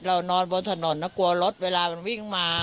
นอนบนถนนนะกลัวรถเวลามันวิ่งมา